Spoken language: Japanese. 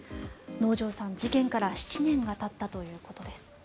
能條さん、事件から７年がたったということです。